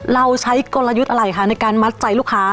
เราใช้กลยุทธ์อะไรคะในการมัดใจลูกค้า